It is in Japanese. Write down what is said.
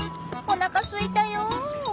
「おなかすいたよ！」